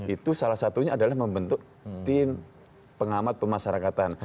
itu salah satunya adalah membentuk tim pengamat pemasarakatan